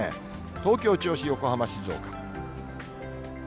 東京、銚子、横浜、静岡。